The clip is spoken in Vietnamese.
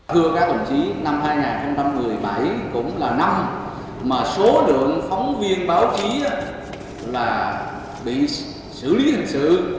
thưa các đồng chí năm hai nghìn một mươi bảy cũng là năm mà số lượng phóng viên báo chí là bị xử lý hình sự